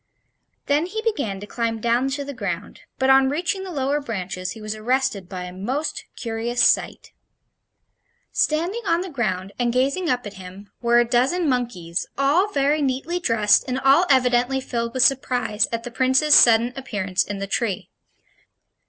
Then he began to climb down to the ground, but on reaching the lower branches he was arrested by a most curious sight. Standing on the ground, and gazing up at him, were a dozen monkeys, all very neatly dressed and all evidently filled with surprise at the Prince's sudden appearance in the tree.